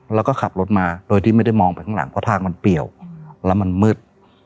แล้วก็ขับรถมาโดยที่ไม่ได้มองไปข้างหลังเพราะทางมันเปี่ยวแล้วมันมืด